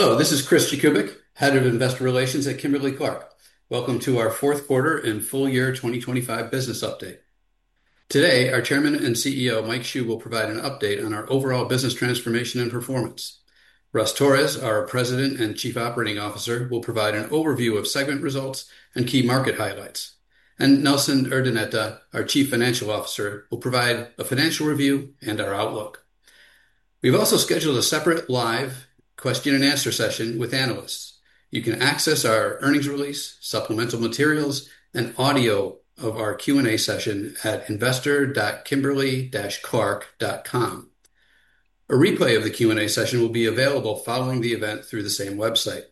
Hello, this is Chris Jakubik, Head of Investor Relations at Kimberly-Clark. Welcome to our Q4 and full year 2025 business update. Today, our Chairman and CEO, Mike Hsu, will provide an update on our overall business transformation and performance. Russ Torres, our President and Chief Operating Officer, will provide an overview of segment results and key market highlights. Nelson Urdaneta, our Chief Financial Officer, will provide a financial review and our outlook. We've also scheduled a separate live question and answer session with analysts. You can access our earnings release, supplemental materials, and audio of our Q&A session at investor.kimberly-clark.com. A replay of the Q&A session will be available following the event through the same website.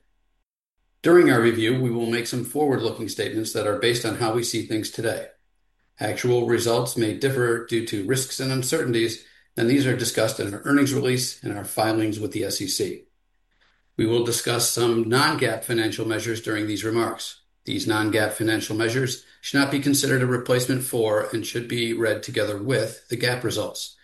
During our review, we will make some forward-looking statements that are based on how we see things today. Actual results may differ due to risks and uncertainties, and these are discussed in our earnings release and our filings with the SEC. We will discuss some non-GAAP financial measures during these remarks. These non-GAAP financial measures should not be considered a replacement for and should be read together with the GAAP results.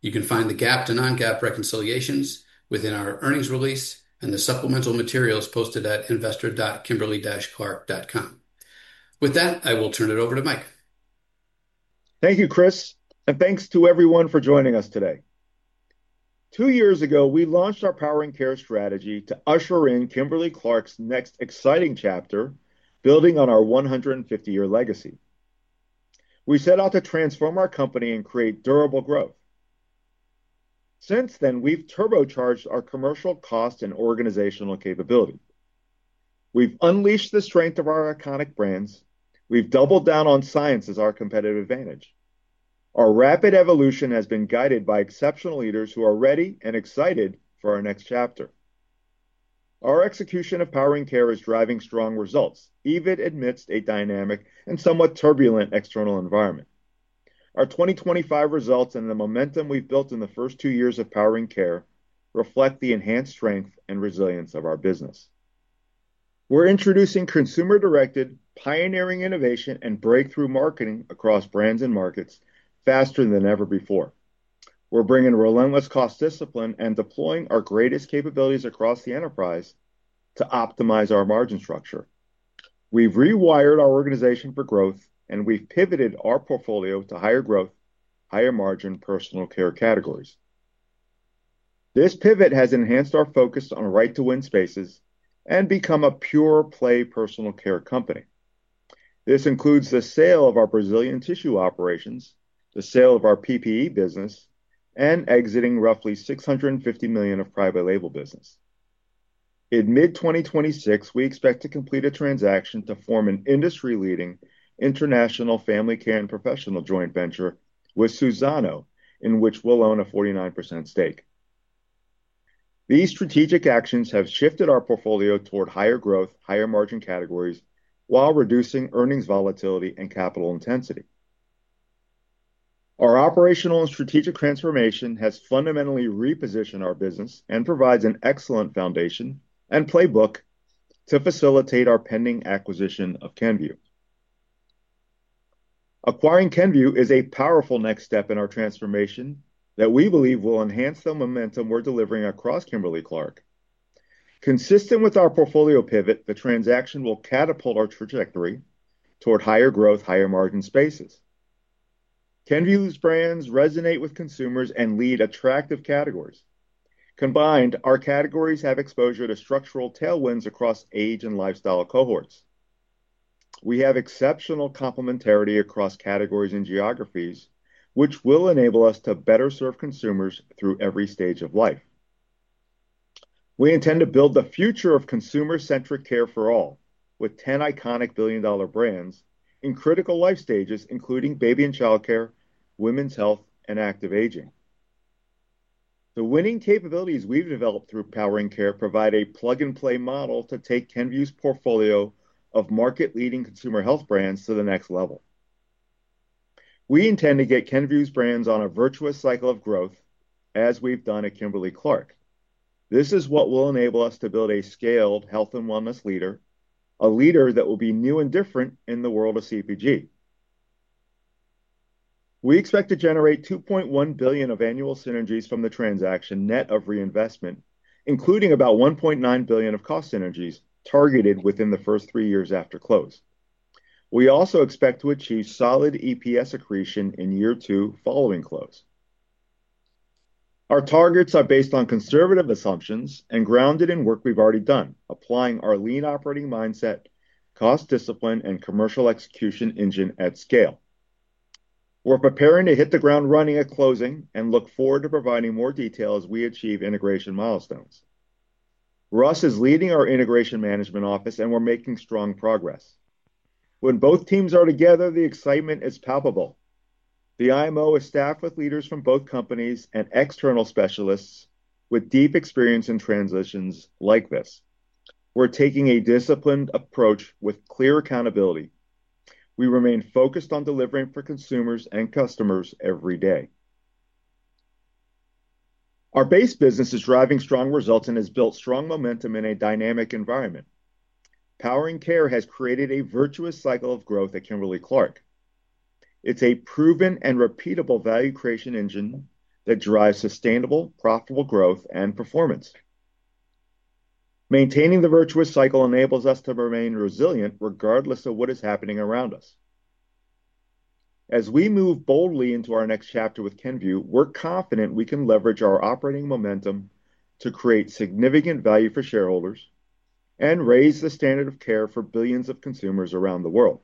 You can find the GAAP to non-GAAP reconciliations within our earnings release and the supplemental materials posted at investor.kimberly-clark.com. With that, I will turn it over to Mike. Thank you, Chris, and thanks to everyone for joining us today. Two years ago, we launched our Powering Care strategy to usher in Kimberly-Clark's next exciting chapter, building on our 150-year legacy. We set out to transform our company and create durable growth. Since then, we've turbocharged our commercial cost and organizational capability. We've unleashed the strength of our iconic brands. We've doubled down on science as our competitive advantage. Our rapid evolution has been guided by exceptional leaders who are ready and excited for our next chapter. Our execution of Powering Care is driving strong results, even amidst a dynamic and somewhat turbulent external environment. Our 2025 results and the momentum we've built in the first two years of Powering Care reflect the enhanced strength and resilience of our business. We're introducing consumer-directed, pioneering innovation and breakthrough marketing across brands and markets faster than ever before. We're bringing relentless cost discipline and deploying our greatest capabilities across the enterprise to optimize our margin structure. We've rewired our organization for growth, and we've pivoted our portfolio to higher growth, higher margin Personal Care categories. This pivot has enhanced our focus on right to win spaces and become a pure-play Personal Care company. This includes the sale of our Brazilian tissue operations, the sale of our PPE business, and exiting roughly $650 million of private label business. In mid-2026, we expect to complete a transaction to form an industry-leading International Family Care and Professional joint venture with Suzano, in which we'll own a 49% stake. These strategic actions have shifted our portfolio toward higher growth, higher margin categories, while reducing earnings volatility and capital intensity. Our operational and strategic transformation has fundamentally repositioned our business and provides an excellent foundation and playbook to facilitate our pending acquisition of Kenvue. Acquiring Kenvue is a powerful next step in our transformation that we believe will enhance the momentum we're delivering across Kimberly-Clark. Consistent with our portfolio pivot, the transaction will catapult our trajectory toward higher growth, higher margin spaces. Kenvue's brands resonate with consumers and lead attractive categories. Combined, our categories have exposure to structural tailwinds across age and lifestyle cohorts. We have exceptional complementarity across categories and geographies, which will enable us to better serve consumers through every stage of life. We intend to build the future of consumer-centric care for all, with 10 iconic billion-dollar brands in critical life stages, including baby and childcare, women's health, and active aging. The winning capabilities we've developed through Powering Care provide a plug-and-play model to take Kenvue's portfolio of market-leading consumer health brands to the next level. We intend to get Kenvue's brands on a virtuous cycle of growth, as we've done at Kimberly-Clark. This is what will enable us to build a scaled health and wellness leader, a leader that will be new and different in the world of CPG. We expect to generate $2.1 billion of annual synergies from the transaction net of reinvestment, including about $1.9 billion of cost synergies targeted within the first three years after close. We also expect to achieve solid EPS accretion in year two following close. Our targets are based on conservative assumptions and grounded in work we've already done, applying our lean operating mindset, cost discipline, and commercial execution engine at scale. We're preparing to hit the ground running at closing and look forward to providing more detail as we achieve integration milestones. Russ is leading our Integration Management Office, and we're making strong progress. When both teams are together, the excitement is palpable. The IMO is staffed with leaders from both companies and external specialists with deep experience in transitions like this. We're taking a disciplined approach with clear accountability. We remain focused on delivering for consumers and customers every day. Our base business is driving strong results and has built strong momentum in a dynamic environment. Powering Care has created a virtuous cycle of growth at Kimberly-Clark.... It's a proven and repeatable value creation engine that drives sustainable, profitable growth and performance. Maintaining the virtuous cycle enables us to remain resilient regardless of what is happening around us. As we move boldly into our next chapter with Kenvue, we're confident we can leverage our operating momentum to create significant value for shareholders and raise the standard of care for billions of consumers around the world.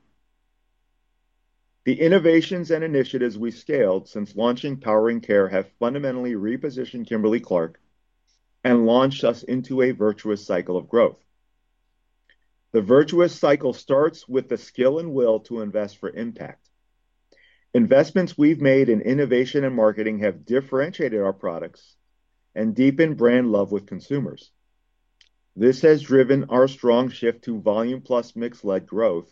The innovations and initiatives we scaled since launching Powering Care have fundamentally repositioned Kimberly-Clark and launched us into a virtuous cycle of growth. The virtuous cycle starts with the skill and will to invest for impact. Investments we've made in innovation and marketing have differentiated our products and deepened brand love with consumers. This has driven our strong shift to volume plus mix-led growth.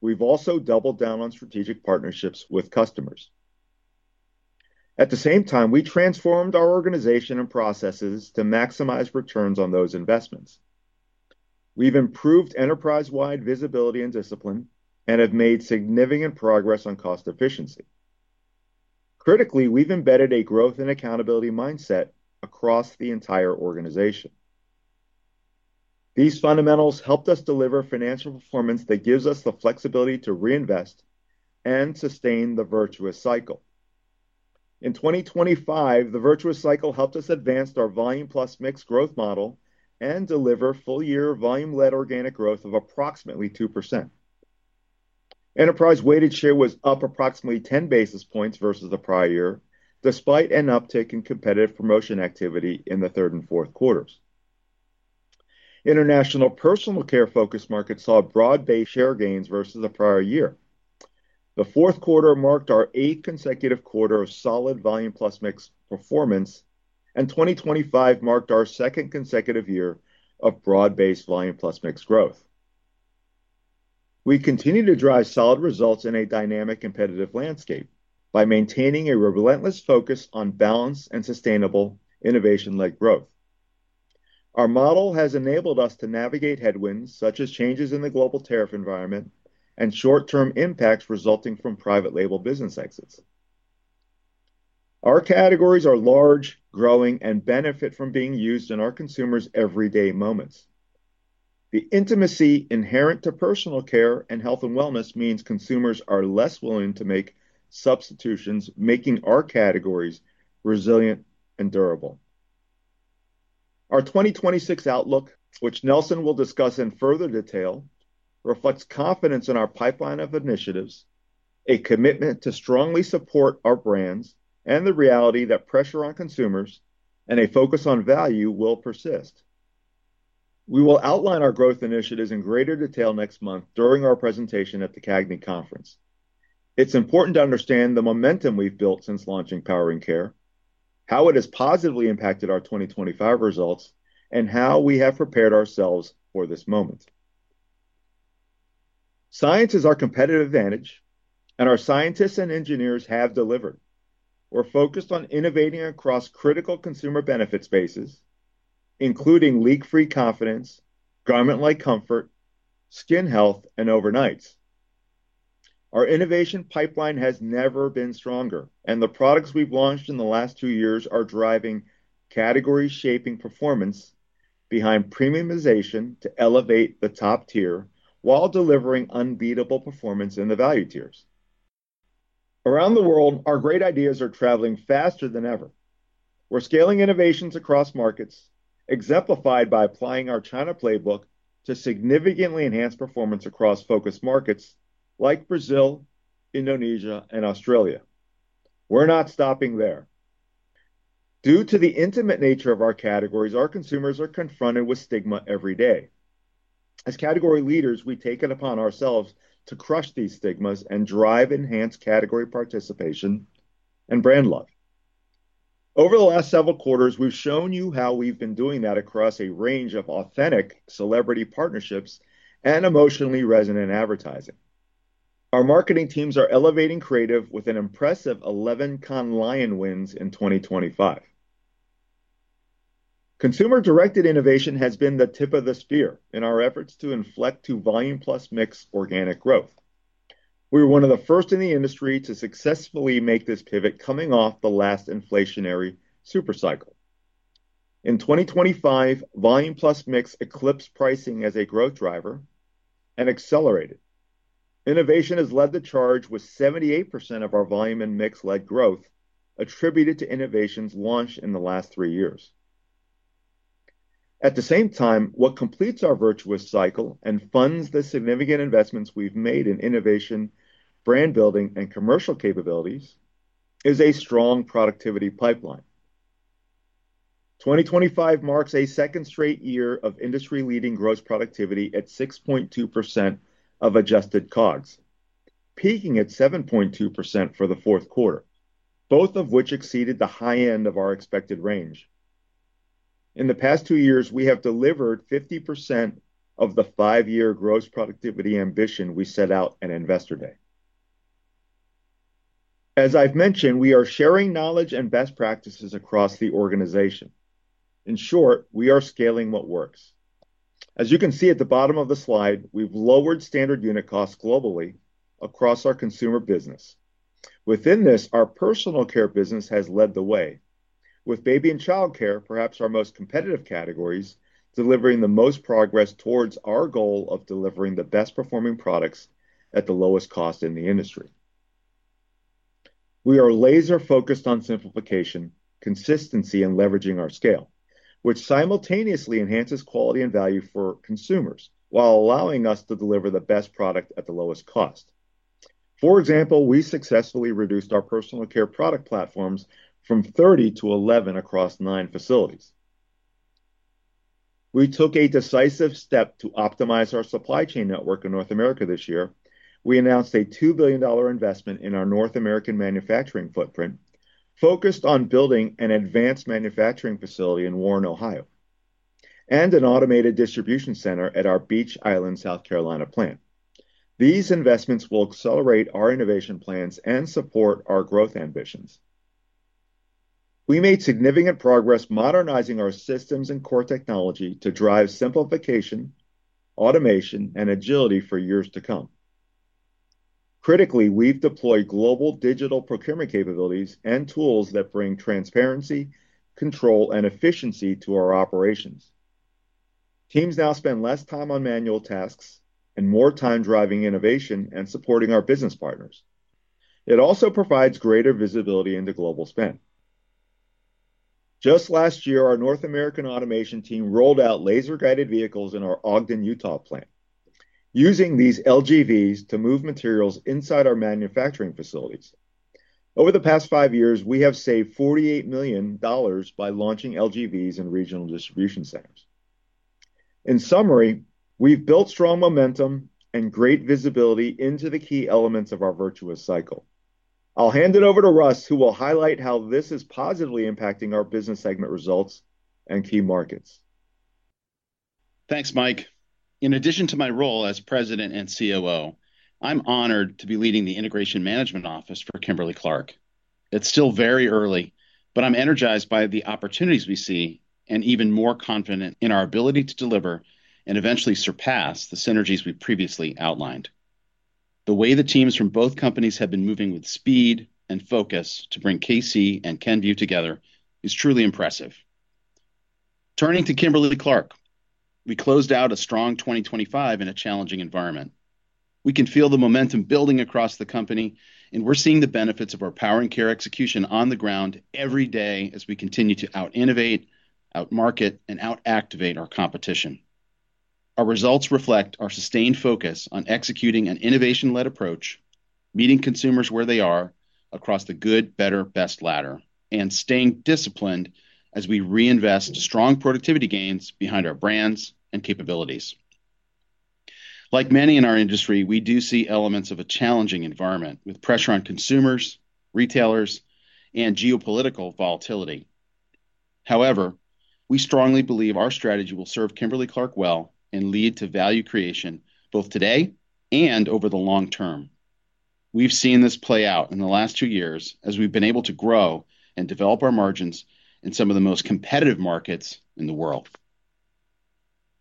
We've also doubled down on strategic partnerships with customers. At the same time, we transformed our organization and processes to maximize returns on those investments. We've improved enterprise-wide visibility and discipline and have made significant progress on cost efficiency. Critically, we've embedded a growth and accountability mindset across the entire organization. These fundamentals helped us deliver financial performance that gives us the flexibility to reinvest and sustain the virtuous cycle. In 2025, the virtuous cycle helped us advance our volume plus mix growth model and deliver full year volume-led organic growth of approximately 2%. Enterprise weighted share was up approximately 10 basis points versus the prior year, despite an uptick in competitive promotion activity in the third and fourth quarters. International Personal Care focus markets saw broad-based share gains versus the prior year. The Q4 marked our eighth consecutive quarter of solid volume plus mix performance, and 2025 marked our second consecutive year of broad-based volume plus mix growth. We continue to drive solid results in a dynamic competitive landscape by maintaining a relentless focus on balanced and sustainable innovation-led growth. Our model has enabled us to navigate headwinds, such as changes in the global tariff environment and short-term impacts resulting from private label business exits. Our categories are large, growing, and benefit from being used in our consumers' everyday moments. The intimacy inherent to Personal Care and health and wellness means consumers are less willing to make substitutions, making our categories resilient and durable. Our 2026 outlook, which Nelson will discuss in further detail, reflects confidence in our pipeline of initiatives, a commitment to strongly support our brands, and the reality that pressure on consumers and a focus on value will persist. We will outline our growth initiatives in greater detail next month during our presentation at the CAGNY Conference. It's important to understand the momentum we've built since launching Powering Care, how it has positively impacted our 2025 results, and how we have prepared ourselves for this moment. Science is our competitive advantage, and our scientists and engineers have delivered. We're focused on innovating across critical consumer benefit spaces, including leak-free confidence, garment-like comfort, skin health, and overnights. Our innovation pipeline has never been stronger, and the products we've launched in the last two years are driving category-shaping performance behind premiumization to elevate the top tier while delivering unbeatable performance in the value tiers. Around the world, our great ideas are traveling faster than ever. We're scaling innovations across markets, exemplified by applying our China playbook to significantly enhance performance across focus markets like Brazil, Indonesia, and Australia. We're not stopping there. Due to the intimate nature of our categories, our consumers are confronted with stigma every day. As category leaders, we take it upon ourselves to crush these stigmas and drive enhanced category participation and brand love. Over the last several quarters, we've shown you how we've been doing that across a range of authentic celebrity partnerships and emotionally resonant advertising. Our marketing teams are elevating creative with an impressive 11 Cannes Lions wins in 2025. Consumer-directed innovation has been the tip of the spear in our efforts to inflect volume plus mix organic growth. We were one of the first in the industry to successfully make this pivot coming off the last inflationary super cycle. In 2025, volume plus mix eclipsed pricing as a growth driver and accelerated. Innovation has led the charge with 78% of our volume and mix-led growth attributed to innovations launched in the last three years. At the same time, what completes our virtuous cycle and funds the significant investments we've made in innovation, brand building, and commercial capabilities is a strong productivity pipeline. 2025 marks a second straight year of industry-leading gross productivity at 6.2% of Adjusted COGS, peaking at 7.2% for the Q4, both of which exceeded the high end of our expected range. In the past two years, we have delivered 50% of the five-year gross productivity ambition we set out at Investor Day.... As I've mentioned, we are sharing knowledge and best practices across the organization. In short, we are scaling what works. As you can see at the bottom of the slide, we've lowered standard unit costs globally across our consumer business. Within this, our Personal Care business has led the way, with baby and childcare, perhaps our most competitive categories, delivering the most progress towards our goal of delivering the best performing products at the lowest cost in the industry. We are laser focused on simplification, consistency, and leveraging our scale, which simultaneously enhances quality and value for consumers while allowing us to deliver the best product at the lowest cost. For example, we successfully reduced our Personal Care product platforms from 30 to 11 across 9 facilities. We took a decisive step to optimize our supply chain network in North America this year. We announced a $2 billion investment in our North American manufacturing footprint, focused on building an advanced manufacturing facility in Warren, Ohio, and an automated distribution center at our Beech Island, South Carolina plant. These investments will accelerate our innovation plans and support our growth ambitions. We made significant progress modernizing our systems and core technology to drive simplification, automation, and agility for years to come. Critically, we've deployed global digital procurement capabilities and tools that bring transparency, control, and efficiency to our operations. Teams now spend less time on manual tasks and more time driving innovation and supporting our business partners. It also provides greater visibility into global spend. Just last year, our North American automation team rolled out laser-guided vehicles in our Ogden, Utah plant, using these LGVs to move materials inside our manufacturing facilities. Over the past 5 years, we have saved $48 million by launching LGVs in regional distribution centers. In summary, we've built strong momentum and great visibility into the key elements of our virtuous cycle. I'll hand it over to Russ, who will highlight how this is positively impacting our business segment results and key markets. Thanks, Mike. In addition to my role as President and COO, I'm honored to be leading the Integration Management Office for Kimberly-Clark. It's still very early, but I'm energized by the opportunities we see and even more confident in our ability to deliver and eventually surpass the synergies we've previously outlined. The way the teams from both companies have been moving with speed and focus to bring KC and Kenvue together is truly impressive. Turning to Kimberly-Clark, we closed out a strong 2025 in a challenging environment. We can feel the momentum building across the company, and we're seeing the benefits of our power and care execution on the ground every day as we continue to out-innovate, out-market, and out-activate our competition. Our results reflect our sustained focus on executing an innovation-led approach, meeting consumers where they are across the good, better, best ladder, and staying disciplined as we reinvest strong productivity gains behind our brands and capabilities. Like many in our industry, we do see elements of a challenging environment, with pressure on consumers, retailers, and geopolitical volatility. However, we strongly believe our strategy will serve Kimberly-Clark well and lead to value creation both today and over the long term. We've seen this play out in the last two years as we've been able to grow and develop our margins in some of the most competitive markets in the world.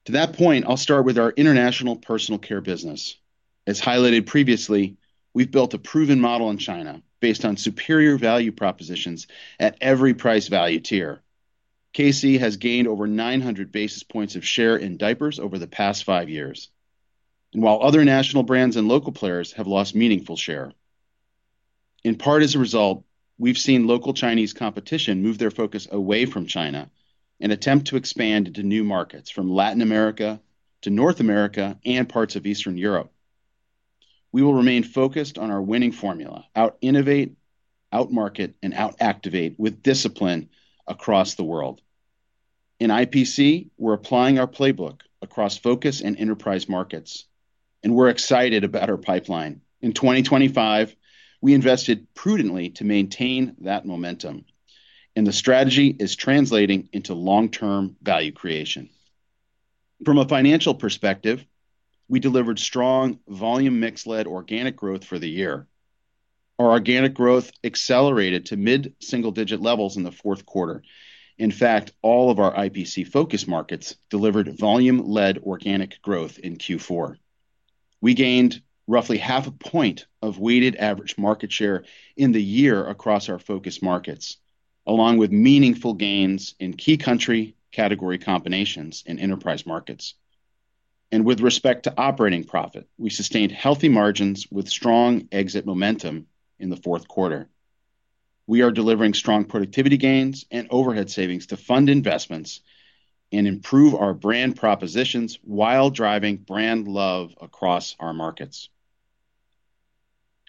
To that point, I'll start with our international Personal Care business. As highlighted previously, we've built a proven model in China based on superior value propositions at every price value tier. KC has gained over 900 basis points of share in diapers over the past five years, while other national brands and local players have lost meaningful share. In part, as a result, we've seen local Chinese competition move their focus away from China and attempt to expand into new markets, from Latin America to North America and parts of Eastern Europe. We will remain focused on our winning formula, out-innovate, out-market, and out-activate with discipline across the world. In IPC, we're applying our playbook across focus and enterprise markets, and we're excited about our pipeline. In 2025, we invested prudently to maintain that momentum, and the strategy is translating into long-term value creation. From a financial perspective, we delivered strong volume mix-led organic growth for the year. Our organic growth accelerated to mid-single digit levels in the Q4. In fact, all of our IPC focus markets delivered volume-led organic growth in Q4. We gained roughly 0.5 point of weighted average market share in the year across our focus markets, along with meaningful gains in key country category combinations in enterprise markets. And with respect to operating profit, we sustained healthy margins with strong exit momentum in the Q4. We are delivering strong productivity gains and overhead savings to fund investments and improve our brand propositions while driving brand love across our markets.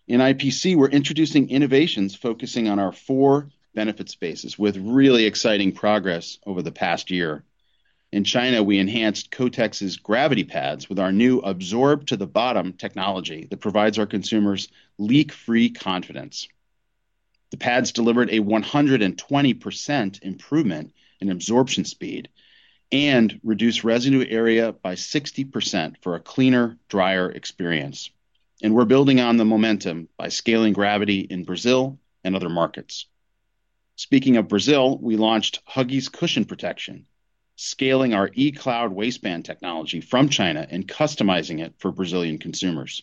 In IPC, we're introducing innovations, focusing on our four benefit spaces with really exciting progress over the past year. In China, we enhanced Kotex's Gravity Pads with our new Absorb-to-the-Bottom technology that provides our consumers leak-free confidence. The pads delivered a 100% improvement in absorption speed and reduced residue area by 60% for a cleaner, drier experience. We're building on the momentum by scaling Gravity in Brazil and other markets. Speaking of Brazil, we launched Huggies Cushion Protection, scaling our E-Cloud waistband technology from China and customizing it for Brazilian consumers.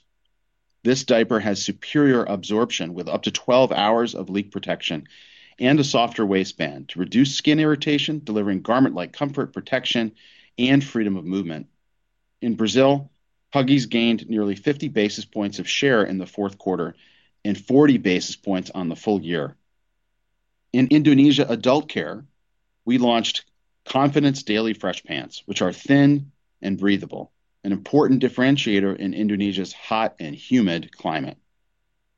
This diaper has superior absorption with up to 12 hours of leak protection and a softer waistband to reduce skin irritation, delivering garment-like comfort, protection, and freedom of movement. In Brazil, Huggies gained nearly 50 basis points of share in the Q4 and 40 basis points on the full year. In Indonesia Adult Care, we launched Confidence Daily Fresh Pants, which are thin and breathable, an important differentiator in Indonesia's hot and humid climate.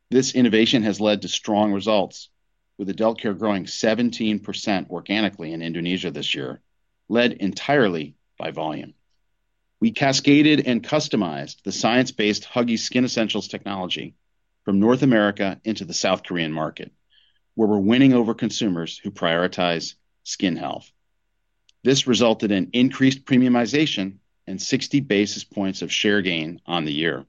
This innovation has led to strong results, with adult care growing 17% organically in Indonesia this year, led entirely by volume. We cascaded and customized the science-based Huggies Skin Essentials technology from North America into the South Korean market, where we're winning over consumers who prioritize skin health. This resulted in increased premiumization and 60 basis points of share gain on the year.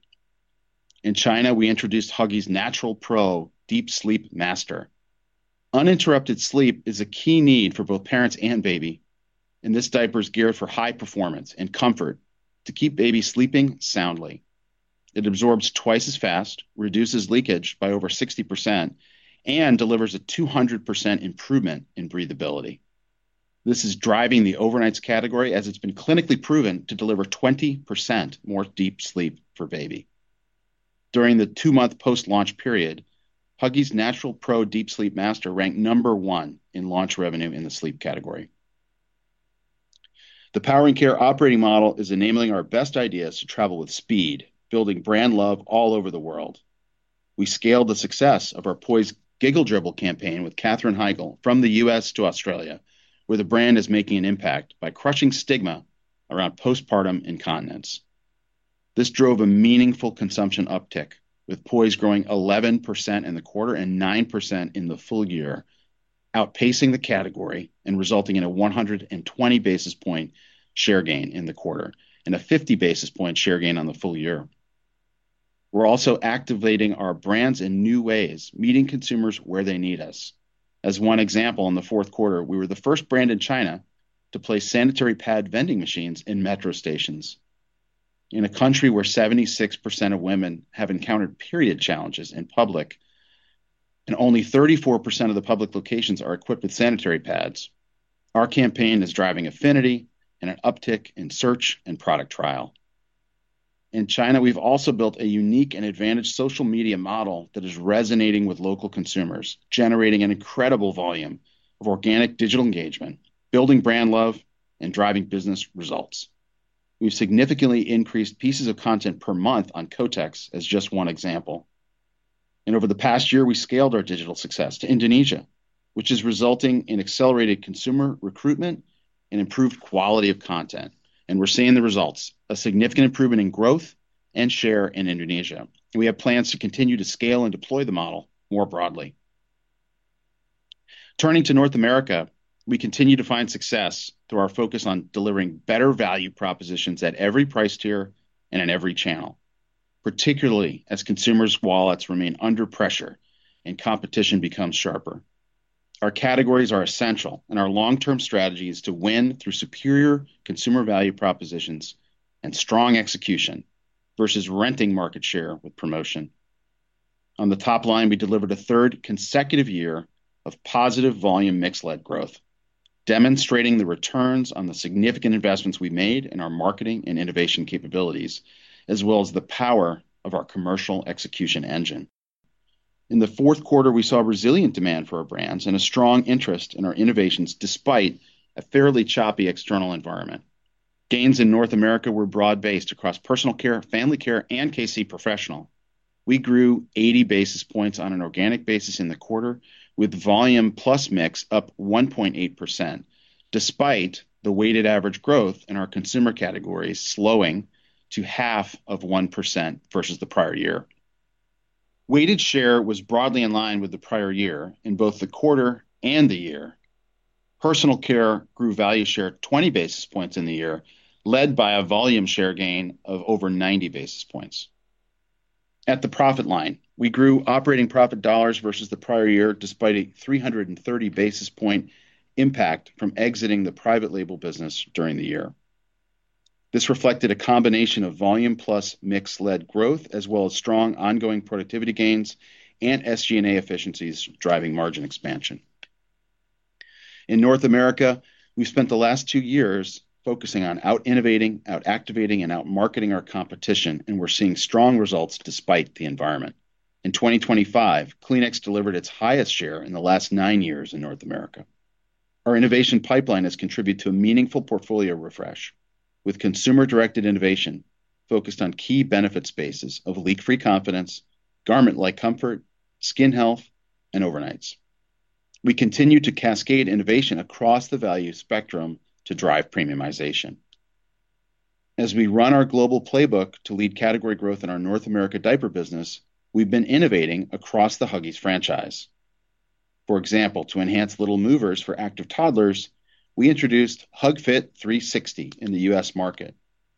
In China, we introduced Huggies Natural Pro Deep Sleep Master Master. Uninterrupted sleep is a key need for both parents and baby, and this diaper is geared for high performance and comfort to keep baby sleeping soundly. It absorbs twice as fast, reduces leakage by over 60%, and delivers a 200% improvement in breathability. This is driving the overnights category, as it's been clinically proven to deliver 20% more deep sleep for baby. During the two-month post-launch period, Huggies Natural Pro Deep Sleep Master ranked number one in launch revenue in the sleep category. The Powering Care operating model is enabling our best ideas to travel with speed, building brand love all over the world. We scaled the success of our Poise Giggle Dribble campaign with Katherine Heigl from the U.S. to Australia, where the brand is making an impact by crushing stigma around postpartum incontinence. This drove a meaningful consumption uptick, with Poise growing 11% in the quarter and 9% in the full year, outpacing the category and resulting in a 120 basis point share gain in the quarter and a 50 basis point share gain on the full year. We're also activating our brands in new ways, meeting consumers where they need us. As one example, in the Q4, we were the first brand in China to place sanitary pad vending machines in metro stations. In a country where 76% of women have encountered period challenges in public, and only 34% of the public locations are equipped with sanitary pads, our campaign is driving affinity and an uptick in search and product trial. In China, we've also built a unique and advantaged social media model that is resonating with local consumers, generating an incredible volume of organic digital engagement, building brand love, and driving business results. We've significantly increased pieces of content per month on Kotex, as just one example. Over the past year, we scaled our digital success to Indonesia, which is resulting in accelerated consumer recruitment and improved quality of content, and we're seeing the results, a significant improvement in growth and share in Indonesia. We have plans to continue to scale and deploy the model more broadly. Turning to North America, we continue to find success through our focus on delivering better value propositions at every price tier and in every channel, particularly as consumers' wallets remain under pressure and competition becomes sharper. Our categories are essential, and our long-term strategy is to win through superior consumer value propositions and strong execution versus renting market share with promotion. On the top line, we delivered a third consecutive year of positive volume mix-led growth, demonstrating the returns on the significant investments we made in our marketing and innovation capabilities, as well as the power of our commercial execution engine. In the Q4, we saw resilient demand for our brands and a strong interest in our innovations, despite a fairly choppy external environment. Gains in North America were broad-based across Personal Care, Family Care, and KC Professional. We grew 80 basis points on an organic basis in the quarter, with volume plus mix up 1.8%, despite the weighted average growth in our consumer categories slowing to 0.5% versus the prior year. Weighted share was broadly in line with the prior year in both the quarter and the year. Personal Care grew value share 20 basis points in the year, led by a volume share gain of over 90 basis points. At the profit line, we grew operating profit dollars versus the prior year, despite a 330 basis point impact from exiting the private label business during the year. This reflected a combination of volume plus mix-led growth, as well as strong ongoing productivity gains and SG&A efficiencies driving margin expansion. In North America, we've spent the last two years focusing on out-innovating, out-activating, and out-marketing our competition, and we're seeing strong results despite the environment. In 2025, Kleenex delivered its highest share in the last nine years in North America. Our innovation pipeline has contributed to a meaningful portfolio refresh, with consumer-directed innovation focused on key benefit spaces of leak-free confidence, garment-like comfort, skin health, and overnights. We continue to cascade innovation across the value spectrum to drive premiumization. As we run our global playbook to lead category growth in our North America diaper business, we've been innovating across the Huggies franchise. For example, to enhance Little Movers for active toddlers, we introduced SnugFit 360 in the U.S. market,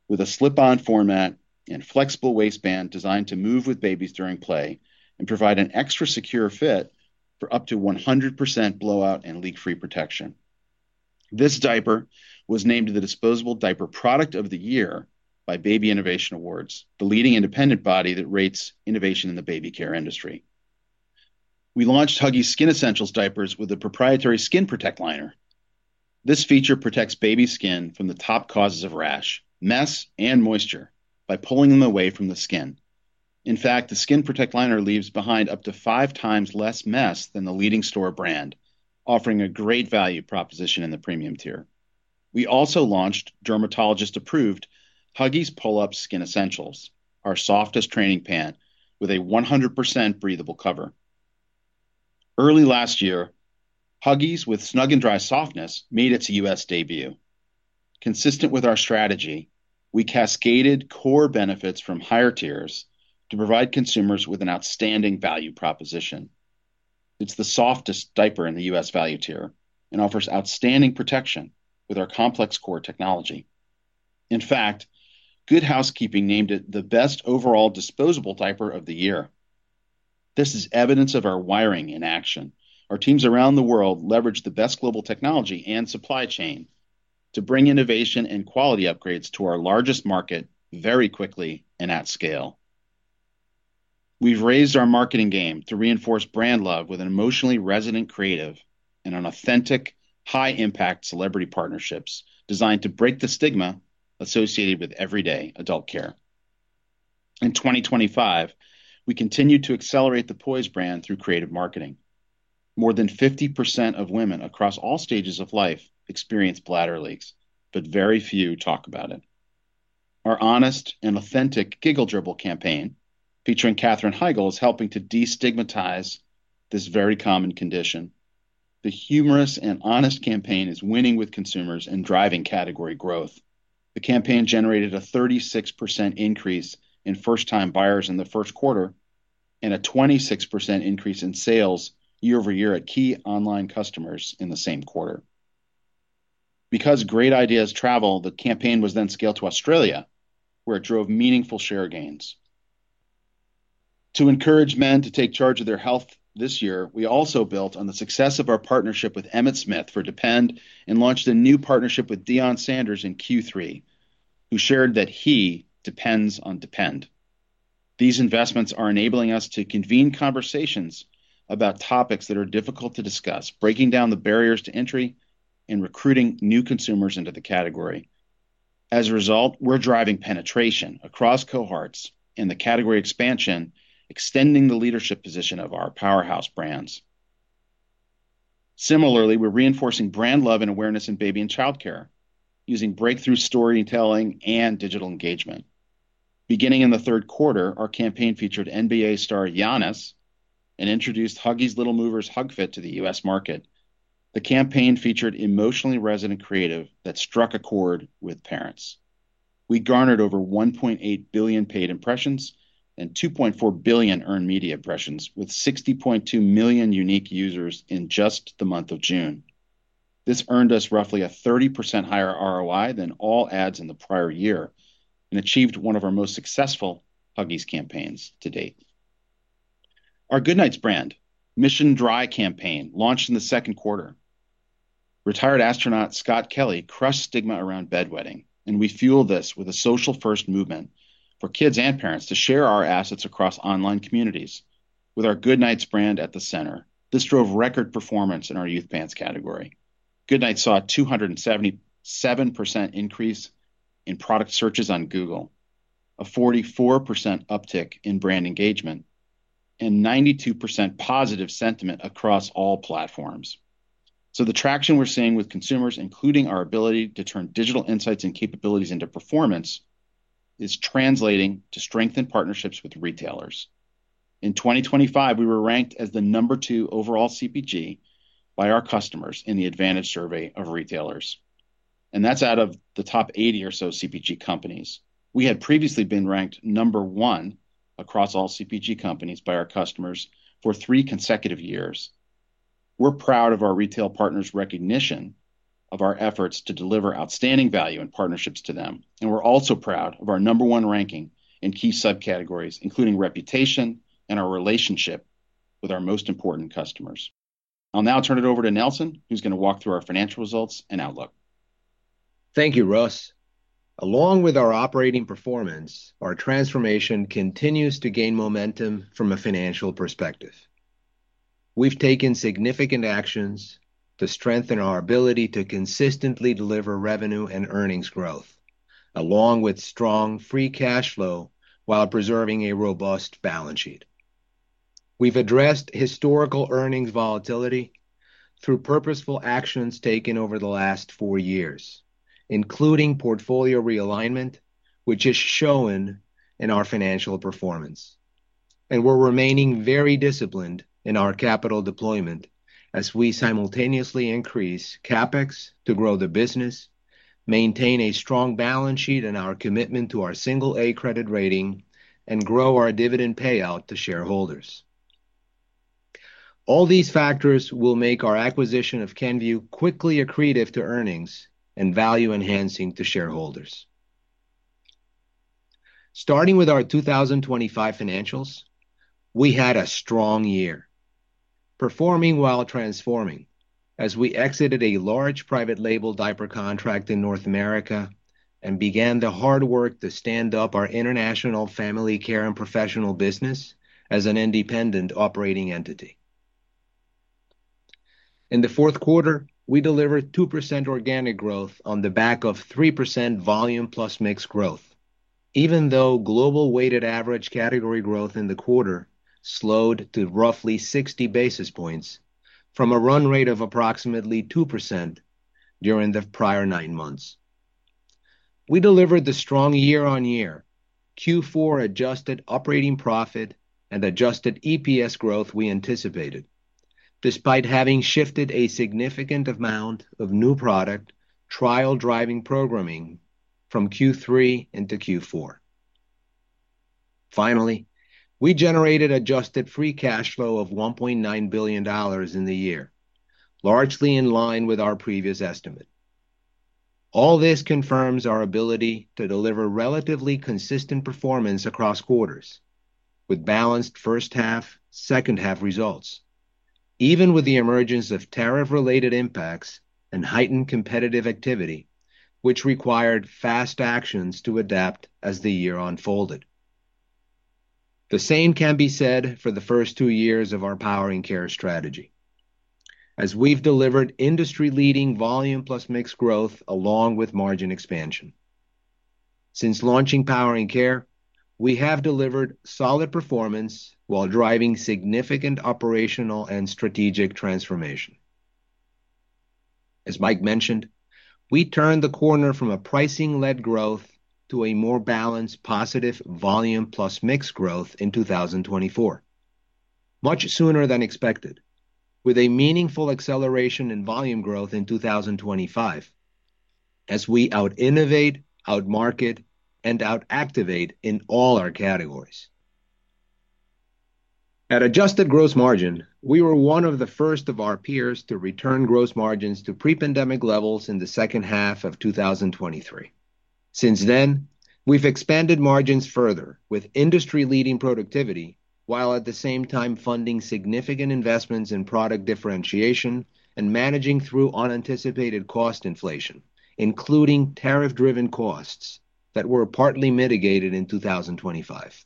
with a slip-on format and flexible waistband designed to move with babies during play and provide an extra secure fit for up to 100% blowout and leak-free protection. This diaper was named the Disposable Diaper Product of the Year by Baby Innovation Awards, the leading independent body that rates innovation in the baby care industry. We launched Huggies Skin Essentials diapers with a proprietary skin protect liner. This feature protects baby skin from the top causes of rash, mess, and moisture by pulling them away from the skin. In fact, the skin protect liner leaves behind up to five times less mess than the leading store brand, offering a great value proposition in the premium tier. We also launched dermatologist-approved Huggies Pull-Ups Skin Essentials, our softest training pant, with a 100% breathable cover. Early last year, Huggies Snug & Dry softness made its U.S. debut. Consistent with our strategy, we cascaded core benefits from higher tiers to provide consumers with an outstanding value proposition. It's the softest diaper in the U.S. value tier and offers outstanding protection with our complex core technology. In fact, Good Housekeeping named it the Best Overall Disposable Diaper of the Year. This is evidence of our wiring in action. Our teams around the world leverage the best global technology and supply chain to bring innovation and quality upgrades to our largest market very quickly and at scale. We've raised our marketing game to reinforce brand love with an emotionally resonant creative and an authentic, high-impact celebrity partnerships designed to break the stigma associated with everyday adult care. In 2025, we continued to accelerate the Poise brand through creative marketing. More than 50% of women across all stages of life experience bladder leaks, but very few talk about it. Our honest and authentic Giggle Dribble campaign, featuring Katherine Heigl, is helping to destigmatize this very common condition. The humorous and honest campaign is winning with consumers and driving category growth. The campaign generated a 36% increase in first-time buyers in the Q1 and a 26% increase in sales year-over-year at key online customers in the same quarter. Because great ideas travel, the campaign was then scaled to Australia, where it drove meaningful share gains. To encourage men to take charge of their health this year, we also built on the success of our partnership with Emmitt Smith for Depend and launched a new partnership with Deion Sanders in Q3, who shared that he depends on Depend. These investments are enabling us to convene conversations about topics that are difficult to discuss, breaking down the barriers to entry and recruiting new consumers into the category. As a result, we're driving penetration across cohorts in the category expansion, extending the leadership position of our powerhouse brands. Similarly, we're reinforcing brand love and awareness in baby and childcare using breakthrough storytelling and digital engagement. Beginning in the Q3, our campaign featured NBA star Giannis and introduced Huggies Little Movers SnugFit to the U.S. market. The campaign featured emotionally resonant creative that struck a chord with parents. We garnered over 1.8 billion paid impressions and 2.4 billion earned media impressions, with 60.2 million unique users in just the month of June. This earned us roughly a 30% higher ROI than all ads in the prior year and achieved one of our most successful Huggies campaigns to date. Our Goodnites brand Mission Dry campaign launched in the Q2. Retired astronaut Scott Kelly crushed stigma around bedwetting, and we fueled this with a social-first movement for kids and parents to share our assets across online communities with our Goodnites brand at the center. This drove record performance in our youth pants category. Goodnites saw a 277% increase in product searches on Google, a 44% uptick in brand engagement, and 92% positive sentiment across all platforms. So the traction we're seeing with consumers, including our ability to turn digital insights and capabilities into performance, is translating to strengthen partnerships with retailers. In 2025, we were ranked as the number 2 overall CPG by our customers in the Advantage Survey of retailers, and that's out of the top 80 or so CPG companies. We had previously been ranked number 1 across all CPG companies by our customers for 3 consecutive years. We're proud of our retail partners' recognition of our efforts to deliver outstanding value and partnerships to them, and we're also proud of our number 1 ranking in key subcategories, including reputation and our relationship with our most important customers. I'll now turn it over to Nelson, who's going to walk through our financial results and outlook. Thank you, Russ. Along with our operating performance, our transformation continues to gain momentum from a financial perspective. We've taken significant actions to strengthen our ability to consistently deliver revenue and earnings growth, along with strong free cash flow, while preserving a robust balance sheet. We've addressed historical earnings volatility through purposeful actions taken over the last four years, including portfolio realignment, which is shown in our financial performance, and we're remaining very disciplined in our capital deployment as we simultaneously increase CapEx to grow the business, maintain a strong balance sheet and our commitment to our single A credit rating, and grow our dividend payout to shareholders. All these factors will make our acquisition of Kenvue quickly accretive to earnings and value-enhancing to shareholders. Starting with our 2025 financials, we had a strong year, performing while transforming, as we exited a large private label diaper contract in North America and began the hard work to stand up our International Family Care and Professional business as an independent operating entity. In the Q4, we delivered 2% organic growth on the back of 3% volume plus mix growth, even though global weighted average category growth in the quarter slowed to roughly 60 basis points from a run rate of approximately 2% during the prior nine months. We delivered the strong year-on-year Q4 Adjusted Operating Profit and Adjusted EPS growth we anticipated, despite having shifted a significant amount of new product trial driving programming from Q3 into Q4. Finally, we generated Adjusted Free Cash Flow of $1.9 billion in the year, largely in line with our previous estimate. All this confirms our ability to deliver relatively consistent performance across quarters, with balanced first half, second half results, even with the emergence of tariff-related impacts and heightened competitive activity, which required fast actions to adapt as the year unfolded. The same can be said for the first two years of our Powering Care strategy, as we've delivered industry-leading volume plus mix growth along with margin expansion. Since launching Powering Care, we have delivered solid performance while driving significant operational and strategic transformation. As Mike mentioned, we turned the corner from a pricing-led growth to a more balanced, positive volume plus mix growth in 2024, much sooner than expected, with a meaningful acceleration in volume growth in 2025 as we out-innovate, out-market, and out-activate in all our categories. At Adjusted Gross Margin, we were one of the first of our peers to return gross margins to pre-pandemic levels in the second half of 2023. Since then, we've expanded margins further with industry-leading productivity, while at the same time funding significant investments in product differentiation and managing through unanticipated cost inflation, including tariff-driven costs that were partly mitigated in 2025.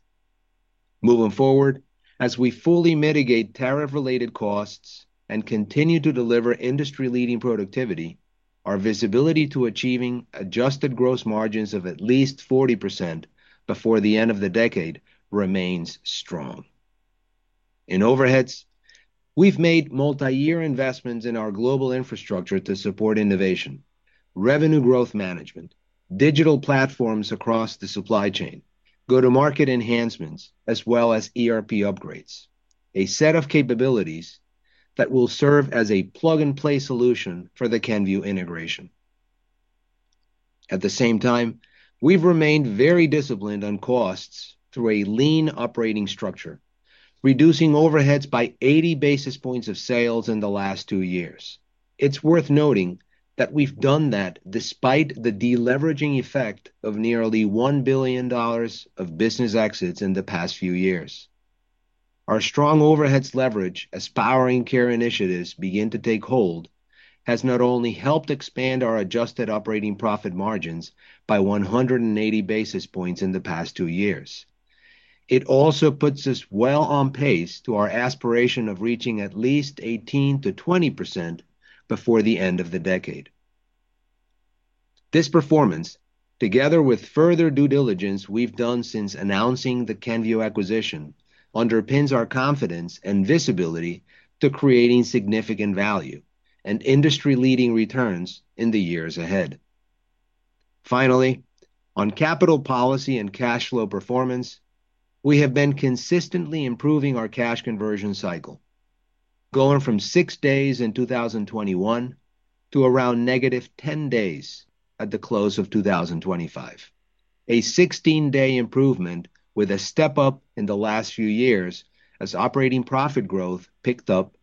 Moving forward, as we fully mitigate tariff-related costs and continue to deliver industry-leading productivity, our visibility to achieving Adjusted Gross Margin of at least 40% before the end of the decade remains strong. In overheads, we've made multi-year investments in our global infrastructure to support innovation, revenue growth management, digital platforms across the supply chain, go-to-market enhancements, as well as ERP upgrades, a set of capabilities that will serve as a plug-and-play solution for the Kenvue integration. At the same time, we've remained very disciplined on costs through a lean operating structure, reducing overheads by 80 basis points of sales in the last 2 years. It's worth noting that we've done that despite the deleveraging effect of nearly $1 billion of business exits in the past few years. Our strong overheads leverage as Powering Care initiatives begin to take hold, has not only helped expand our Adjusted Operating Profit margins by 100 basis points in the past two years, it also puts us well on pace to our aspiration of reaching at least 18%-20% before the end of the decade. This performance, together with further due diligence we've done since announcing the Kenvue acquisition, underpins our confidence and visibility to creating significant value and industry-leading returns in the years ahead. Finally, on capital policy and cash flow performance, we have been consistently improving our cash conversion cycle, going from 6 days in 2021 to around negative 10 days at the close of 2025. A 16-day improvement with a step-up in the last few years as operating profit growth picked up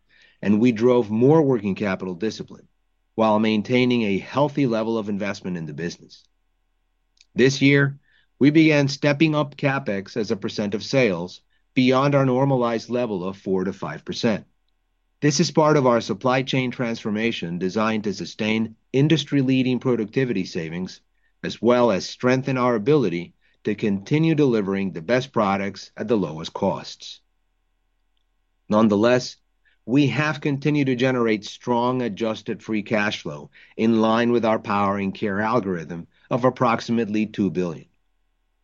and we drove more working capital discipline while maintaining a healthy level of investment in the business. This year, we began stepping up CapEx as a % of sales beyond our normalized level of 4%-5%. This is part of our supply chain transformation designed to sustain industry-leading productivity savings, as well as strengthen our ability to continue delivering the best products at the lowest costs. Nonetheless, we have continued to generate strong Adjusted Free Cash Flow in line with our Powering Care algorithm of approximately $2 billion,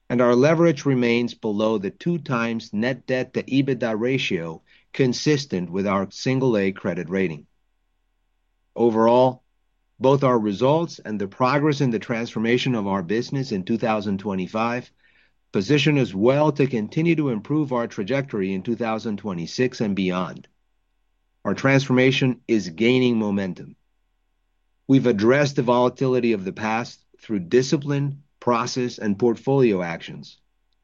and our leverage remains below the 2x net debt to EBITDA ratio, consistent with our single-A credit rating. Overall, both our results and the progress in the transformation of our business in 2025 position us well to continue to improve our trajectory in 2026 and beyond. Our transformation is gaining momentum. We've addressed the volatility of the past through discipline, process, and portfolio actions,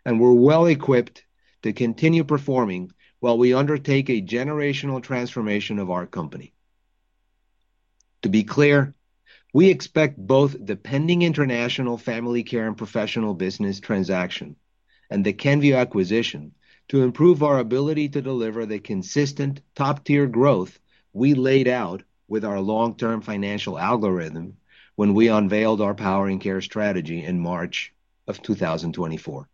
and we're well equipped to continue performing while we undertake a generational transformation of our company. To be clear, we expect both the pending international Family Care and professional business transaction and the Kenvue acquisition to improve our ability to deliver the consistent top-tier growth we laid out with our long-term financial algorithm when we unveiled our power and care strategy in March 2024.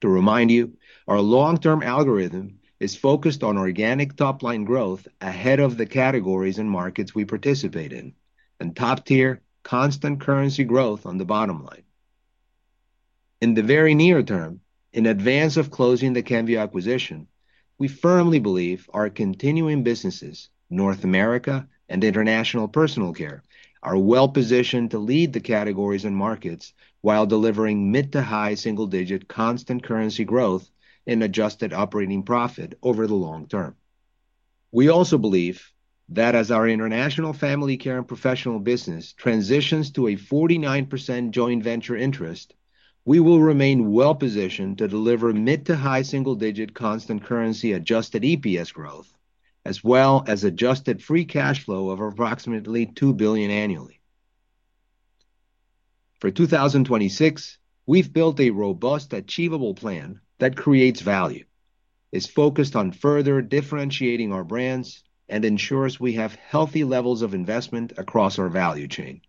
To remind you, our long-term algorithm is focused on organic top-line growth ahead of the categories and markets we participate in, and top-tier constant currency growth on the bottom line. In the very near term, in advance of closing the Kenvue acquisition, we firmly believe our continuing businesses, North America and International Personal Care, are well-positioned to lead the categories and markets while delivering mid- to high-single-digit constant currency growth in Adjusted Operating Profit over the long term. We also believe that as our international Family Care and professional business transitions to a 49% joint venture interest, we will remain well-positioned to deliver mid- to high-single-digit constant currency Adjusted EPS growth, as well as Adjusted Free Cash Flow of approximately $2 billion annually. For 2026, we've built a robust, achievable plan that creates value, is focused on further differentiating our brands, and ensures we have healthy levels of investment across our value chain.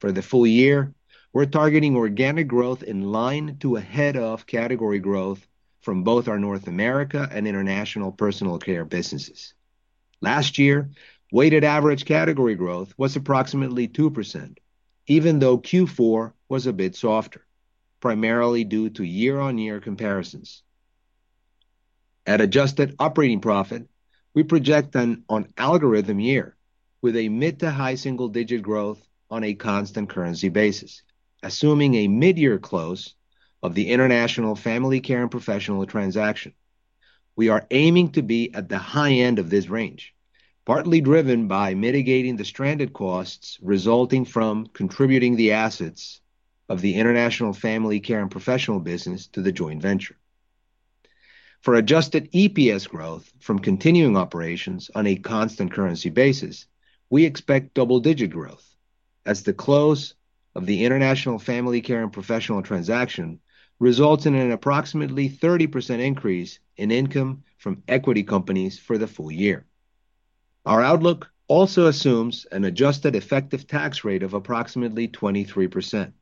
For the full year, we're targeting organic growth in line to ahead of category growth from both our North America and international Personal Care businesses. Last year, weighted average category growth was approximately 2%, even though Q4 was a bit softer, primarily due to year-on-year comparisons. At Adjusted Operating Profit, we project another strong year with a mid- to high single-digit growth on a constant currency basis, assuming a mid-year close of the international Family Care and professional transaction. We are aiming to be at the high end of this range, partly driven by mitigating the stranded costs resulting from contributing the assets of the international Family Care and professional business to the joint venture. For Adjusted EPS growth from continuing operations on a constant currency basis, we expect double-digit growth as the close of the international Family Care and professional transaction results in an approximately 30% increase in income from equity companies for the full year. Our outlook also assumes an Adjusted Effective Tax Rate of approximately 23%.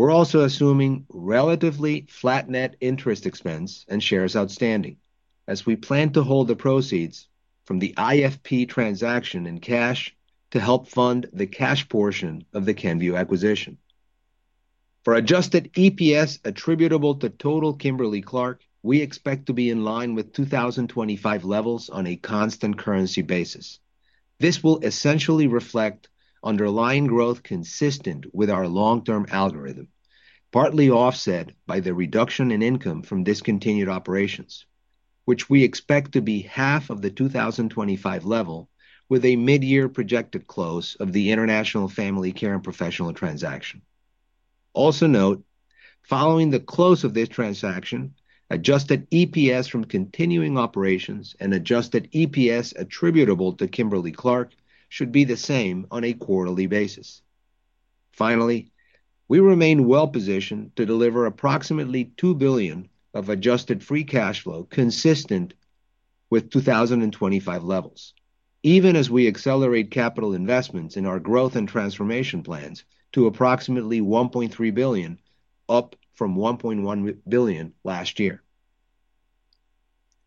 We're also assuming relatively flat net interest expense and shares outstanding, as we plan to hold the proceeds from the IFP transaction in cash to help fund the cash portion of the Kenvue acquisition. For Adjusted EPS attributable to total Kimberly-Clark, we expect to be in line with 2025 levels on a constant currency basis. This will essentially reflect underlying growth consistent with our long-term algorithm, partly offset by the reduction in income from discontinued operations, which we expect to be half of the 2025 level, with a mid-year projected close of the international Family Care and professional transaction. Also note, following the close of this transaction, Adjusted EPS from continuing operations and Adjusted EPS attributable to Kimberly-Clark should be the same on a quarterly basis. Finally, we remain well positioned to deliver approximately $2 billion of Adjusted Free Cash Flow consistent with 2025 levels, even as we accelerate capital investments in our growth and transformation plans to approximately $1.3 billion, up from $1.1 billion last year.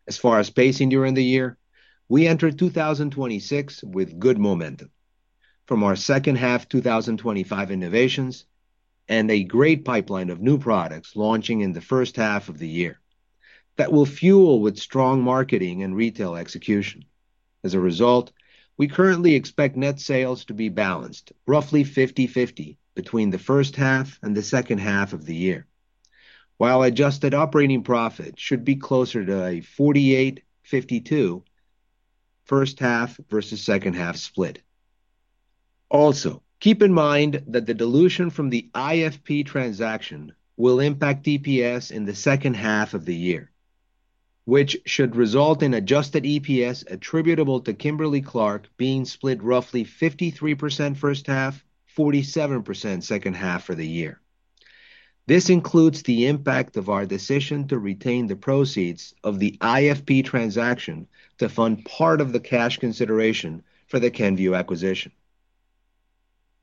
As far as pacing during the year, we entered 2026 with good momentum from our second half 2025 innovations and a great pipeline of new products launching in the first half of the year that will fuel with strong marketing and retail execution. As a result, we currently expect net sales to be balanced, roughly 50/50, between the first half and the second half of the year. While Adjusted Operating Profit should be closer to a 48/52 first half versus second half split. Also, keep in mind that the dilution from the IFP transaction will impact DPS in the second half of the year, which should result in Adjusted EPS attributable to Kimberly-Clark being split roughly 53% first half, 47% second half of the year. This includes the impact of our decision to retain the proceeds of the IFP transaction to fund part of the cash consideration for the Kenvue acquisition.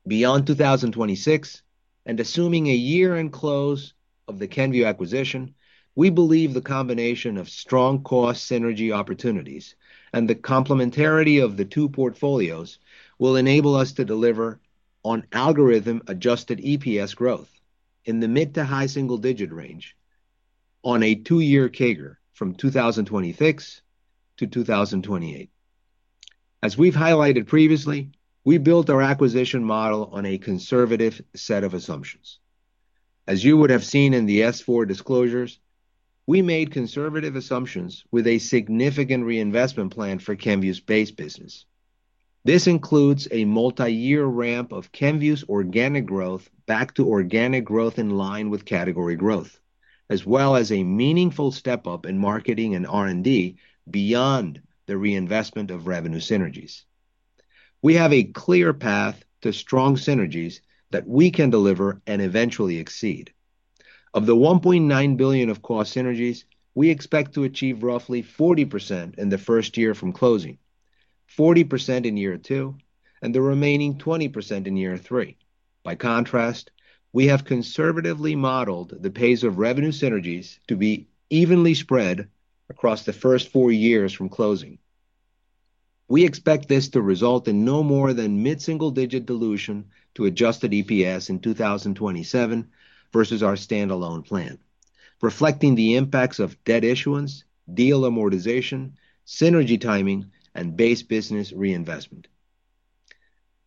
Beyond 2026, and assuming a year-end close of the Kenvue acquisition, we believe the combination of strong cost synergy opportunities and the complementarity of the two portfolios will enable us to deliver on algorithm-Adjusted EPS growth in the mid to high single-digit range.... on a two-year CAGR from 2026 to 2028. As we've highlighted previously, we built our acquisition model on a conservative set of assumptions. As you would have seen in the S-4 disclosures, we made conservative assumptions with a significant reinvestment plan for Kenvue's base business. This includes a multi-year ramp of Kenvue's organic growth back to organic growth in line with category growth, as well as a meaningful step up in marketing and R&D beyond the reinvestment of revenue synergies. We have a clear path to strong synergies that we can deliver and eventually exceed. Of the $1.9 billion of cost synergies, we expect to achieve roughly 40% in the first year from closing, 40% in year two, and the remaining 20% in year three. By contrast, we have conservatively modeled the pace of revenue synergies to be evenly spread across the first four years from closing. We expect this to result in no more than mid-single-digit dilution to Adjusted EPS in 2027 versus our standalone plan, reflecting the impacts of debt issuance, deal amortization, synergy timing, and base business reinvestment.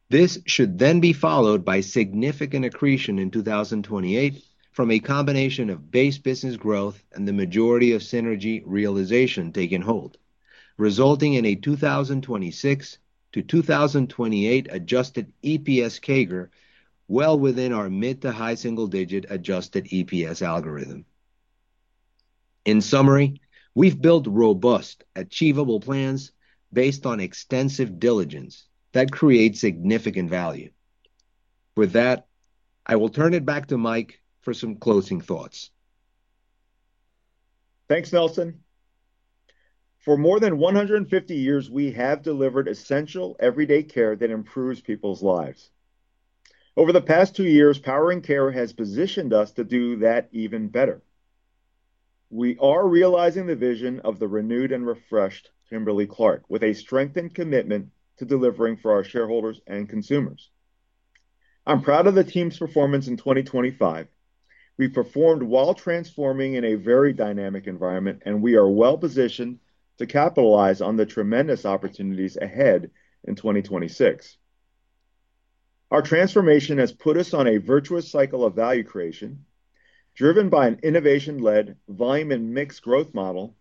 This should then be followed by significant accretion in 2028 from a combination of base business growth and the majority of synergy realization taking hold, resulting in a 2026 to 2028 Adjusted EPS CAGR, well within our mid to high single digit Adjusted EPS algorithm. In summary, we've built robust, achievable plans based on extensive diligence that creates significant value. With that, I will turn it back to Mike for some closing thoughts. Thanks, Nelson. For more than 150 years, we have delivered essential everyday care that improves people's lives. Over the past two years, Powering Care has positioned us to do that even better. We are realizing the vision of the renewed and refreshed Kimberly-Clark, with a strengthened commitment to delivering for our shareholders and consumers. I'm proud of the team's performance in 2025. We performed while transforming in a very dynamic environment, and we are well-positioned to capitalize on the tremendous opportunities ahead in 2026. Our transformation has put us on a virtuous cycle of value creation, driven by an innovation-led volume and mix growth model,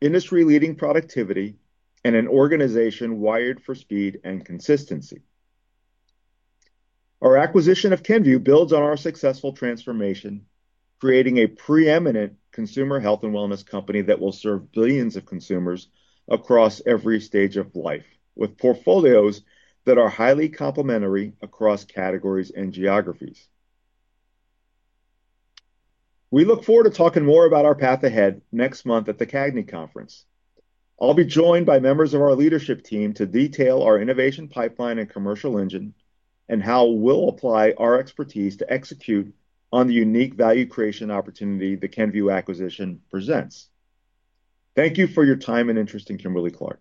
industry-leading productivity, and an organization wired for speed and consistency. Our acquisition of Kenvue builds on our successful transformation, creating a preeminent consumer health and wellness company that will serve billions of consumers across every stage of life, with portfolios that are highly complementary across categories and geographies. We look forward to talking more about our path ahead next month at the CAGNY Conference. I'll be joined by members of our leadership team to detail our innovation pipeline and commercial engine, and how we'll apply our expertise to execute on the unique value creation opportunity the Kenvue acquisition presents. Thank you for your time and interest in Kimberly-Clark.